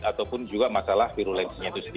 ataupun juga masalah virulensinya itu sendiri